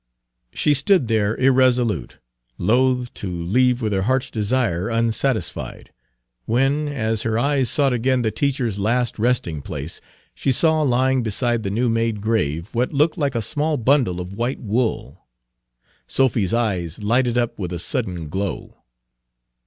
She stood there irresolute, loath to leave with her heart's desire unsatisfied, when, as her eyes sought again the teacher's last resting place, she saw lying beside the new made grave what looked like a small bundle of white wool. Sophy's eyes lighted up with a sudden glow.